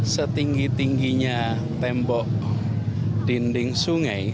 setinggi tingginya tembok dinding sungai